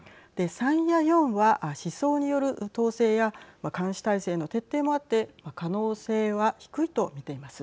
３や４は思想による統制や監視体制の徹底もあって可能性は低いと見ています。